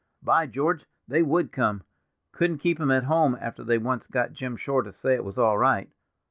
"By George, they would come; couldn't keep 'em at home, after they once got Jim Shore to say it was all right.